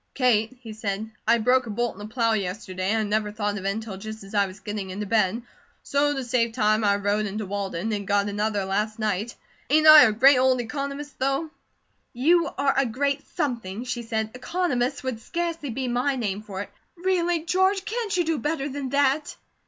"Kate," he said, "I broke a bolt in the plow yesterday, and I never thought of it until just as I was getting into bed, so to save time I rode in to Walden and got another last night. Ain't I a great old economist, though?" "You are a great something," she said. "'Economist' would scarcely be my name for it. Really, George, can't you do better than that?"